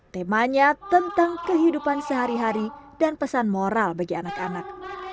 temanya tentang kehidupan sehari hari dan pesan moral bagi anak anak